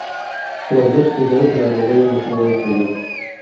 ورزش د زړه د ناروغیو مخنیوی کوي.